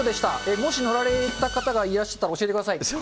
もし乗られた方がいらしたら、教えてください。